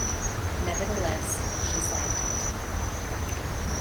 Nevertheless, she sighed deeply.